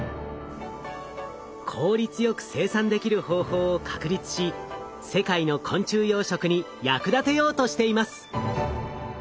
効率よく生産できる方法を確立し世界の昆虫養殖に役立てようとしています。